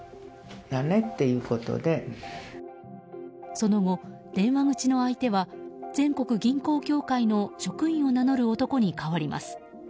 その後、電話口の相手は全国銀行協会の職員を名乗る男に代わります。